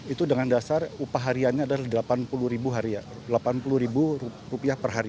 itu dengan dasar upah hariannya adalah delapan puluh ribu rupiah per hari